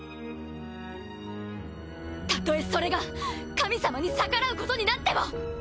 たとえそれが神様に逆らうことになっても！